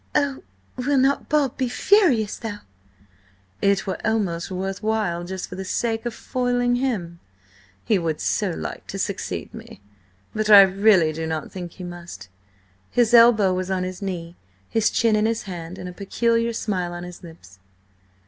Oh, will not Bob be furious, though!" "It were almost worth while–just for the sake of foiling him. He would so like to succeed me. But I really do not think he must." His elbow was on his knee, his chin in his hand, and a peculiar smile on his lips.